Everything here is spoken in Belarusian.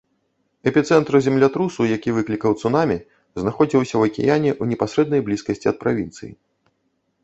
Эпіцэнтр землятрусу, які выклікаў цунамі, знаходзіўся ў акіяне ў непасрэднай блізкасці ад правінцыі.